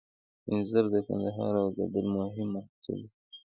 انځر د کندهار او زابل مهم محصول دی.